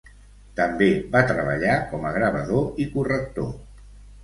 També va treballar com a gravador i corrector.